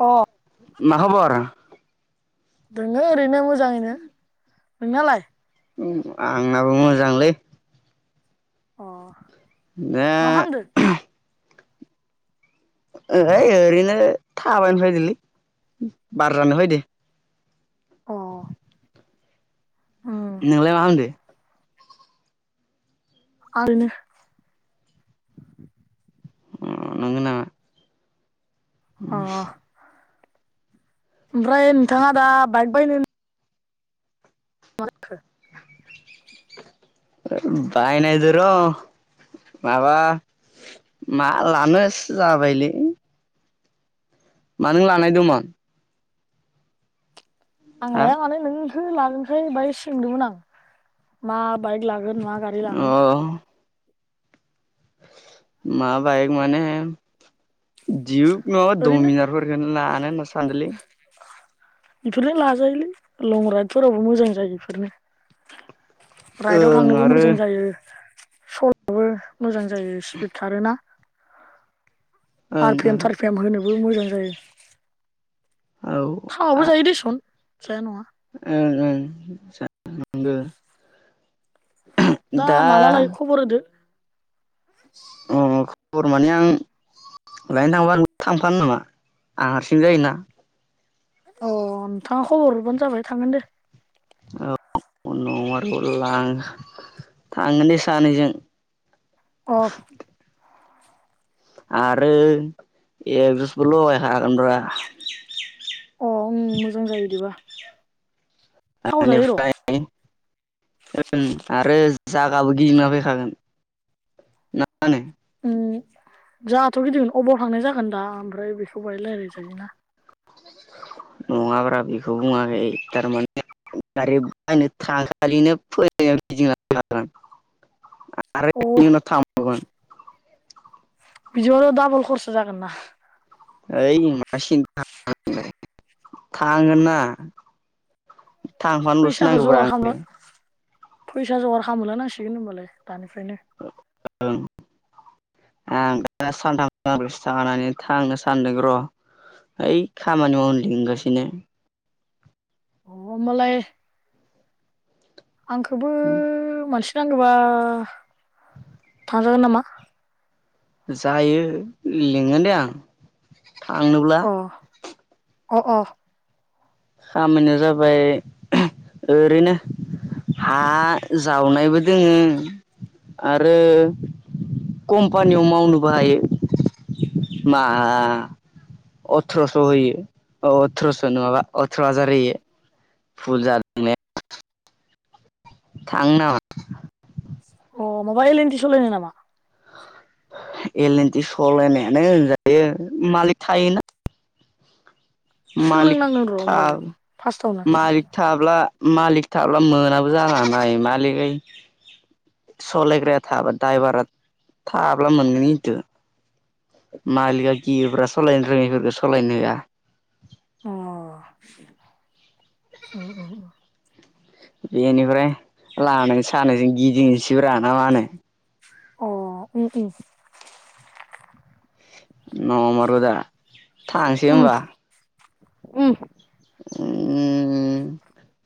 अ मा खबर? दोङो ओरैनो मो जाङैनो। नोंनालाय? ओम आंनाबो मोजांलै। अ दा मा खालामदो ओ-ओय ओरैनो थाबायनो फैदो लै बार जानो फैदो। अ। उम नोंलाय मा खामदो? [unintelligible] उम नोंगो नामा? अ [unintelligible] ओमफ्राय नोंथाङा दा बाइक बायनो हो [unintelligible] ओ बायनायदो र' माबा मा लानोसो जाबायलै। मा नों लानाय दोमोन? आं हा लाया माने नों नों लागोनखाय बाय सोंदोंमोन आं मा बाइक लागोन मा गारि अ लागोन। मा बायक माने दिउक नङाबा ओरैनो दमिनारफोरखोनो लानो होनना सानदोलै। बेफोरनो लाजायोलै लं राइडफोरावबो मोजां जायो इफोरनो। राइडआव ओं थांनोबो आरो मोजां जायो। सल'बो मोजां जायो स्पिड खारोना। ओं आर पि एम ओं थार पि एम होनोबो मोजां जायो। औ थावबो जायो देसुन जाया नङा। ओं ओं जानांगो। दा माला लायो खबर होदो। अ ख खबर माने आं लायनो थांबा थांफानो नामा? आं हारसिं जायोना। अ नोंथाङा खबर हरबानो जाबाय थांगोन दे। औ न आरो लां थांगोन दे सानैजों। अ। आरो एकजस बो लगाय हागोनब्रा। अ उम मोजां जायो इदिबा। बेनिफ्राय आरो जागाबो गिदिंना फैखागोन मा होनो? जहाथ गिदि अबाव थांनाय जागोन दा ओमफ्राय बेखौ बाहाय राय्लाय जायोना। नङाब्रा बेखौ बुङाखै थारमाने गारि बायनो थांखालिनो फैनाय गिदिंनाफैखागोन आरोे अ बेनि उनाव थांबावगोन बिदिआवनो डाबल खरसा जागोनना। ओइ मा सिनथाखालामदो थांगोनना। थांफानोलसो फैसाखौ नांगौब्रा जगार खालामला आंदो। फैसा जगार होलां नांसिगोन होनबालाय दानिफ्रायनो ओं आं दा सानथाम सानब्रैसो थांखांनानै थांनो सानदों र ओइ खामानि मावनो लिंगासिनो। अ मालाय आंखौबो मानसि नांगौबा जागोन नामा जायो लिंगोन दे आं। थांनोब्ला अ अ अ खामानिया जाबाय ओरैनो हा जावनायबो दोङो आरो कम्पानियाव मावनोबो हायो। मा? अथ्रस होयो अ अथ्रस नङाबा अथ्र हाजार होयो। फुल जादों ने थांनोनामा। अ माबा एल एनटि सालायनाय नामा। एल एनटि सालायनायानो होनजायो मालिक थायोना मालिक सोलोंनांगोन र' था होमबालाय फार्स्टआवनो मालिक थाब्ला मालिक थाब्ला मोनाबो जनो हानाय मालिकै सालायग्रा थाबा द्राइभारा थाब्ला मोनगोन खिन्थु मालिक गियोब्रा सालायनो रोङैफोरखौ सालायनो होया। अ उम उम उम बेनिफ्राय लानाय सानायजों गिदिंनैसैब्रा ना मा होनो अ उम उम नमारोदा थांआसै उम होनबा। उम उम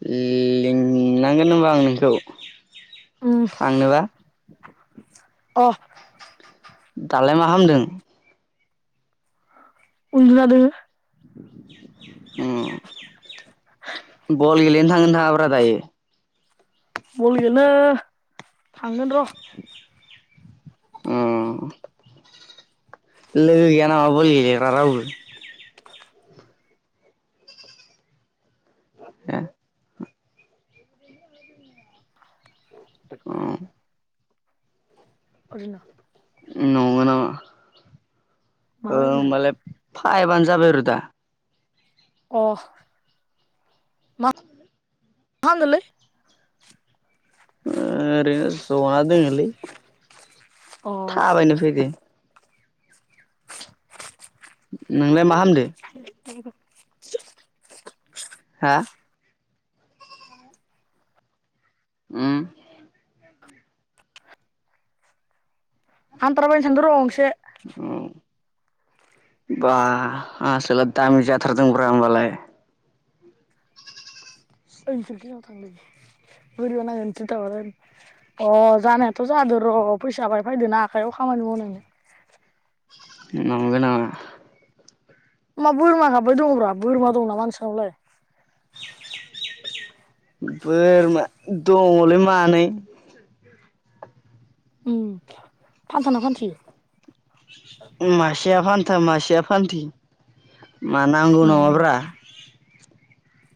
लिंलांगोन होमबा आं नोंखौ उम थांनोबा अ दालाय मा खालामदों? उन्दुना दोङो उम बल गेलेनो थांगोना थाङा ब्रा दा दायो। बल गेलेनो थांगोन र ओम लोगो गैया नामा बल गेलेग्रा रावबो हो? उम ओरैनो नंगौ नामा ओ माला ओरैनो आरो होमबालाय फाइबानो जाबाय आरो दा अ मा‌ खालामदोंलै? ओरैनो जना दङलै। अ [inaudible] थाबायनो फैदो। नोंलाय मा खालामदो [inaudible] [inaudible] हा उम हान्थारबायनो सानदों र' गंसे उम बा आसोला दामि जाथारदोंब्रा होमबालाय ओइ नोंसोर गोजानाव थांलै बोरैबा नांगोन बिथिं दावराव जादों अ जानायाथ' जादो र' फैसा बाङाय फैदोंना आखायाव खामानि मावनायनि नंगो नामा मा बोरमा गाबबाय दंब्रा बोरमा दं नामा नोंस्रानावलाय? बोरमा दङलै मानै उम फान्थाना फान्थि? उम मासिया फान्था मासिया फान्थि मा नांगौ नामाब्रा?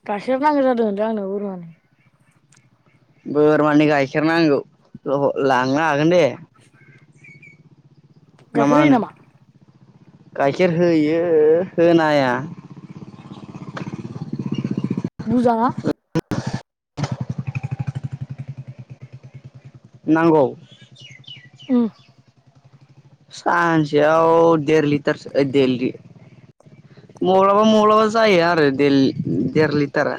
गाखेर नांगौ जादों लै आंनो बोरमानि बोरमानि गाइखेर नांगौ र' लांनो हागोन दे। ए गाइखेर होयोनामा? गायखेर होयो होनाया बुजा ना? नांगौ? उम सानसेयाव देर लिटारसो ओ देललि मब्लाबा मब्लाबा जायो आरो देल लि देर लिटारा।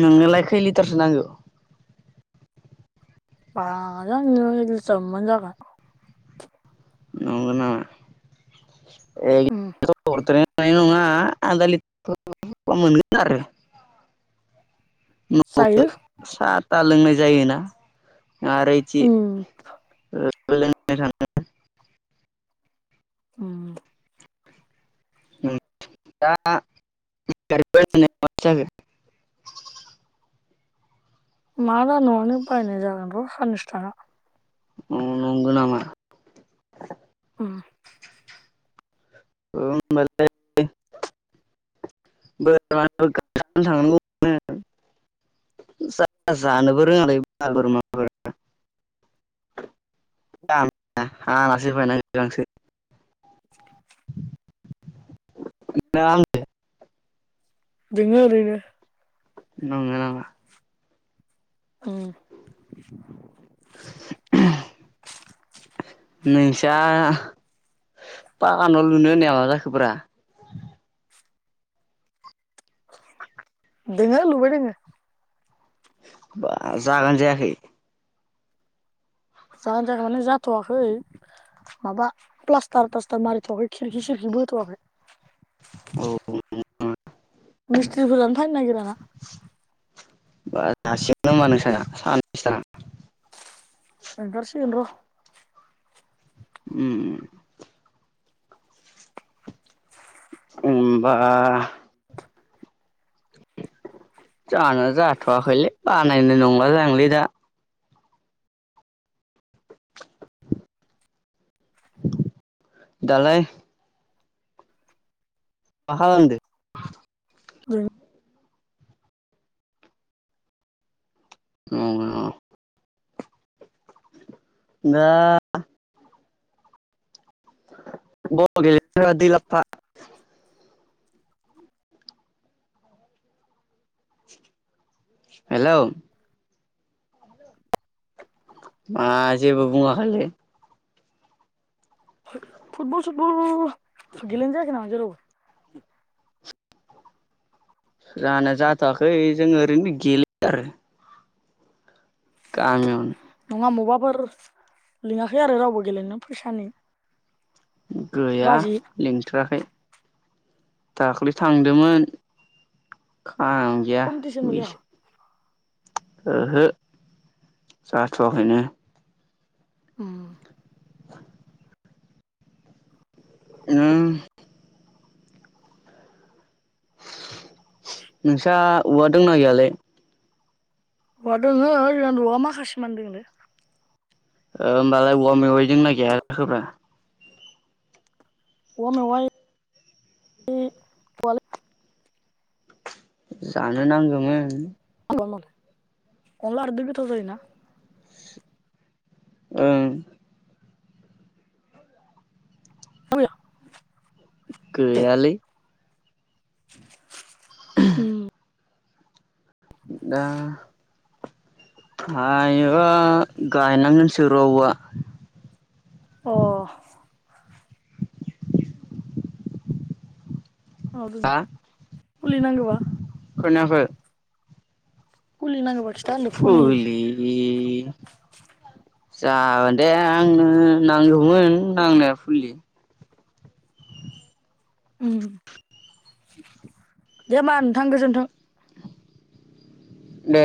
नोंनोलाय खै लिटारसो नांगौ? बारा नाङालै आंनो एक लिटार मोनबानो जागोन। नंगौ नामा एक उम लिटारथ' हरद्रायनो हानाय नङा आदा लि टारखौबा मोनगोन आरो। न'आवबो जायो सा ता लोंनाय जायोना नारोयथि उम ओ [unintelligible] उम [unintelligible] [unintelligible] मा बा नआवनो बायना जागोन र साननैसो थाना अ नंगो नामा? उम [unintelligible] [unintelligible] दोङो औरैनो नंगो नामा? उम नोंसा पाका न लुनो होननाया मा जाखोब्रा दोङो लुबाय दोङो बा जागोन जायाखै? जागोन जायाखै माने जाथवाखै माबा प्लास्टार तास्टार मारिथवाखै खिरखि सिरखि बो होथवाखै औ मिस्थ्रिफोरानो फायनो नागिरा [inaudible] बा [unintelligible] नोंसाना साननैसो थाना ओंखार सिगोन र उम उम ओमबा जानिया जाथवाखैलै बानायनाय नंला जां लै दा दालाय मा खालामदो? [unintelligible] उम दा बल गेलेनो फायबा दै लाबफा हेलौ मा जेबो बुङाखोलै [unintelligible] फुटबल फुटबल गेलेनो जायाखै नामा जेरावबो? जानाया जाथवाखै जोङो ओरैनो गेलेयो आरो गामियावनो नङा मबा फोर लिङाखै आरो रावबो गेलेनो फैसानि गैया बाजि लिंथाराखै दाखालै थांदोंमोन आं गैया कम्पिटिसनबो जाया बिस ओहो जाथआखैनो ओम उओम नोंस्रा औवा दंना गैयालै औवा दङ ओजा नवाव औवा माखासे मानि दङलै ओ‌ ओमबालाय औवा मेवाइ दोंना गैया जाखोब्रा औवा मेवाइ दायो गैथवालै जानो नांगोमोन अ कमल अनला खारैदो गोथाव जायोना ओं [unintelligible] गैयालै [inaudible] उम दा हायोबा गायनांगोनसो र औवा अह औ दोङो हा फुलि नांगौबा खोनायाखै फुलि नांगोबा खिथा होनदों फुलि लि जागोनदे आंनो नांगौमोन नांनाया फुलि ओम दे होमबा नोंथां गोजोनथों दे